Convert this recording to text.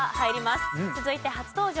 続いて初登場